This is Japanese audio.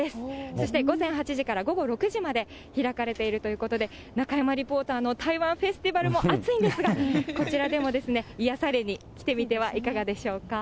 そして午前８時から午後６時まで、開かれているということで、中山リポーターの台湾フェスティバルも暑いんですが、こちらでも癒やされに来てみてはいかがでしょうか。